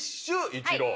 イチロー。